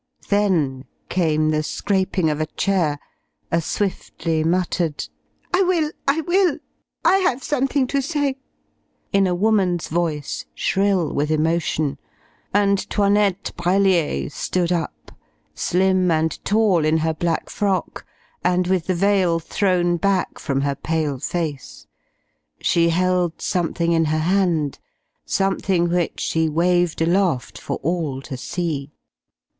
Then came the scraping of a chair, a swiftly muttered, "I will! I will! I have something to say!" in a woman's voice shrill with emotion, and 'Toinette Brellier stood up, slim and tall in her black frock, and with the veil thrown back from her pale face. She held something in her hand, something which she waved aloft for all to see.